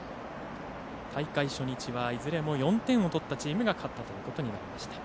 大会初日はいずれも４点を取ったチームが勝ったということになりました。